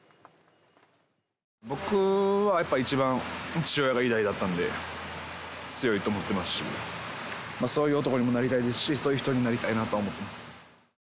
僕はやっぱ一番、父親が偉大だったんで、強いと思ってますし、そういう男にもなりたいですし、そういう人になりたいなとは思ってます。